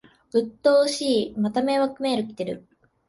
うっとうしい、また迷惑メール来てる